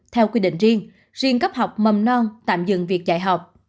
theo quy định riêng cấp học mầm non tạm dừng việc dạy học